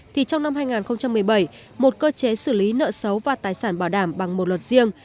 thì trong năm hai nghìn một mươi bảy một cơ chế xử lý nợ xấu và tài sản bảo đảm bằng một luật riêng